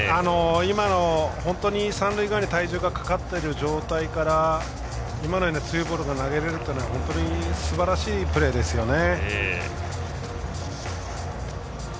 今のように三塁側に体重がかかっている状況から強いボールが投げれるというのは本当にすばらしいプレーですよね。